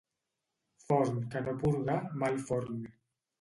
Forn que no purga, mal forn.